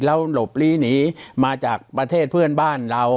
แล้วหลบลีหนีมาจากประเทศเพื่อนบ้านเรา